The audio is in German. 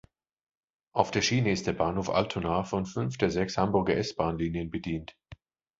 Auf der Schiene ist der Bahnhof Altona von fünf der sechs Hamburger S-Bahnlinien bedient.